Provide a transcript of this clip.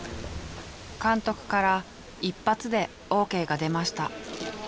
監督から一発でＯＫが出ました。